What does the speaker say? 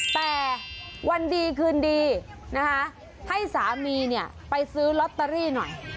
แต่วันดีคืนดีนะคะให้สามีเนี่ยไปซื้อลอตเตอรี่หน่อย